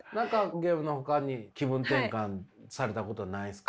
ゲームのほかに気分転換されたことないですか？